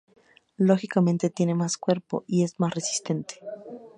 Lógicamente tiene más cuerpo y es más resistente.